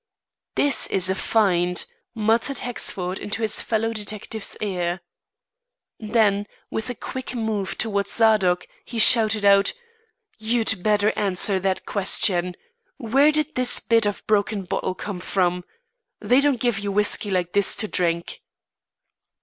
"This is a find," muttered Hexford into his fellow detective's ear. Then, with a quick move towards Zadok, he shouted out: "You'd better answer that question. Where did this bit of broken bottle come from? They don't give you whiskey like this to drink."